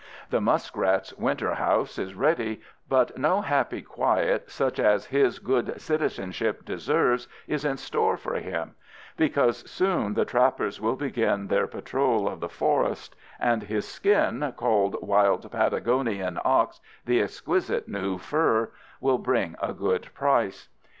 The muskrat's winter house is ready, but no happy quiet such as his good citizenship deserves is in store for him, because soon the trappers will begin their patrol of the forest, and his skin, called wild Patagonian ox, the exquisite new fur, will bring a good price.